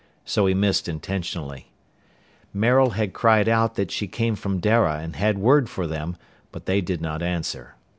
So he missed intentionally. Maril had cried out that she came from Dara and had word for them, but they did not answer.